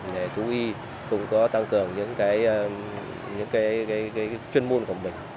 nghề thú y cũng có tăng cường những chuyên môn của mình